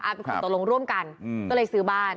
อ่ะมันเป็นผู้ต่อลงร่วมกันก็เลยซื้อบ้าน